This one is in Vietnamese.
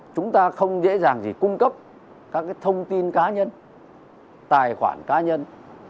chúng ta không dễ dàng gì cung cấp các thông tin cá nhân tài khoản cá nhân